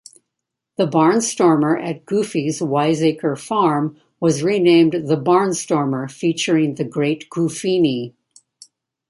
The Barnstormer at Goofy's Wiseacre Farm was renamed The Barnstormer featuring the Great Goofini.